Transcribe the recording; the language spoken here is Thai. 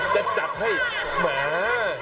จะจัดให้แหม